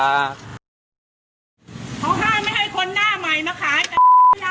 เขาห้ามไม่ให้คนหน้าใหม่มาขายกัน